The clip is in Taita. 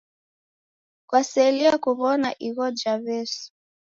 Kwaselie kuw'ona igho ja W'esu?